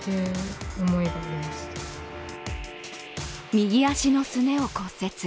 右足のすねを骨折。